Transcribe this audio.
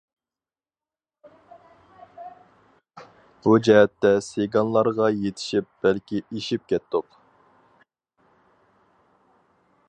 بۇ جەھەتتە سىگانلارغا يېتىشىپ، بەلكى ئېشىپ كەتتۇق.